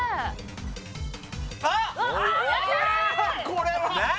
これは！何！？